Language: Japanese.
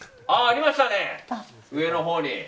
ありましたね、上のほうに。